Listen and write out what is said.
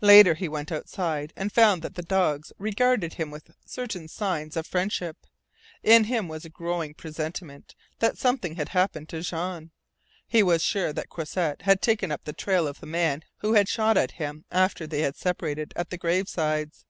Later he went outside, and found that the dogs regarded him with certain signs of friendship. In him was a growing presentiment that something had happened to Jean. He was sure that Croisset had taken up the trail of the man who had shot at him soon after they had separated at the gravesides.